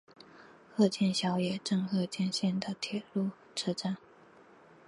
鹤见小野站鹤见线的铁路车站。